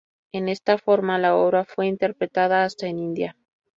En esta forma, la obra fue interpretada hasta en India.